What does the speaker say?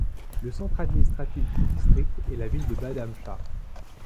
Le centre administratif du district est la ville de Badamsha.